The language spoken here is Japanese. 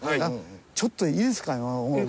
「ちょっといいですか？」。